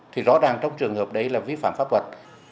thì rõ ràng trong trường hợp đấy là vi phạm pháp luật